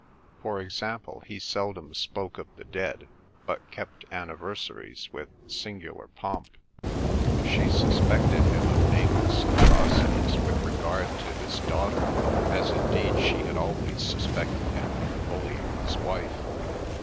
For example, he seldom spoke of the dead, but kept anniversaries with singular pomp. She suspected him of nameless atrocities with regard to his daughter, as indeed she had always suspected him of bullying his wife.